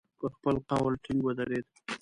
پر خپل قول ټینګ ودرېد.